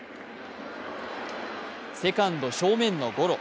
セカンド正面のゴロ。